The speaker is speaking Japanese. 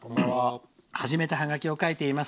初めてはがきを書いています。